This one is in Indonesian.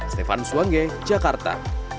stefan swange jakarta